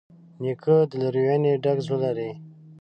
نیکه د لورینې ډک زړه لري.